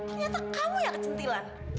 ternyata kamu yang kecantilan